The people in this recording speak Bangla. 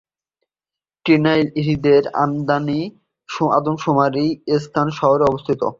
টাইনর হ্রদের আদমশুমারির স্থান শহরে অবস্থিত।